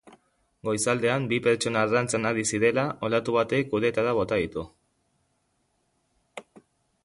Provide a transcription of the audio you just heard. Goizaldean, bi pertsona arrantzan ari zirela, olatu batek uretara bota ditu.